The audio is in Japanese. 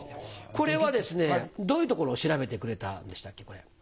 これはどういうところを調べてくれたんでしたっけ？